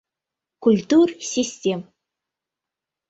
“Культур-систем!